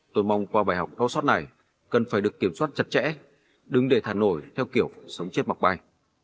tôi mong qua bài học thao soát này cần phải được kiểm soát chặt chẽ đừng để thả nổi theo kiểu sống chết mặc bay